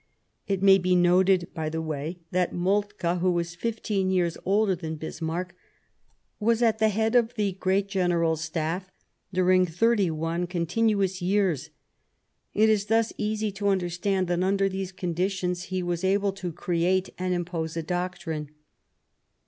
It may be noted, by the wa}' , that Moltke, who was fifteen years older than Bismarck, was at the head of the Great General Staff during thirty one continuous years ; it is thus easy to understand that, under these conditions, he was able to create and impose a doctrine.